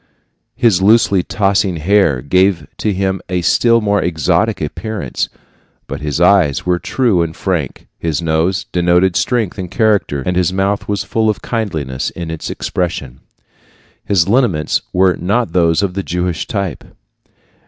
His loosely tossing hair gave to him a still more exotic appearance; but his eyes were true and frank, his nose denoted strength and character, and his mouth was full of kindliness in its expression. His lineaments were not those of the Jewish type.